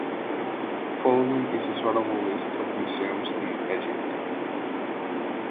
Following is a sortable list of museums in Egypt.